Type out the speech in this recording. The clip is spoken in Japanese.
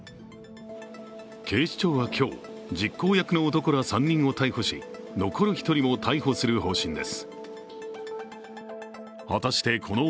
警視庁は今日、実行役の男ら３人を逮捕し、残る１人も逮捕する方針です。